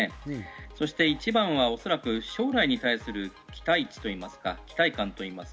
そして一番は将来に対する期待値といいますか、期待感。